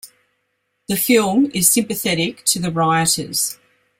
The film is sympathetic to the rioters.